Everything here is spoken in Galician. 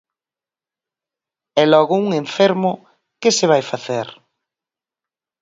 E logo un enfermo, ¿que se vai facer?